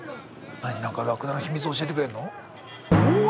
何かラクダの秘密教えてくれるの？